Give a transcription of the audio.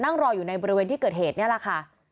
นั่งรออยู่ในบริเวณที่เกิดเหตุนี่แหละค่ะ